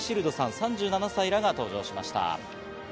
３７歳らが搭乗しました。